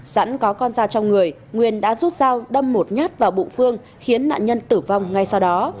sẵn có con ra trong người nguyên đã rút dao đâm một nhát vào bụng phương khiến nạn nhân tử vong ngay sau đó